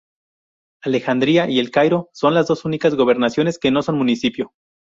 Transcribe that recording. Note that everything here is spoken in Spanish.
Alejandría y El Cairo son las dos únicas gobernaciones que son un municipio.